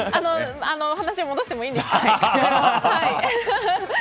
話を戻してもいいですか？